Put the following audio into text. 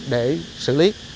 để xử lý